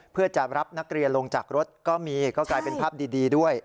เพื่อจะรับนักเรียนลงจากรถก็มีก็กลายเป็นภาพดีด้วย